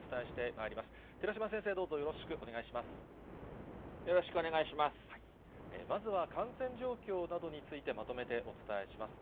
まずは感染状況などについて、まとめてお伝えします。